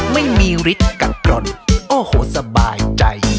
ไม่มีฤทธิ์กับกรณโอ้โหสบายใจ